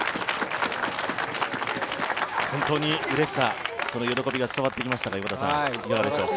本当にうれしさ、その喜びが伝わってきましたがいかがでしたか？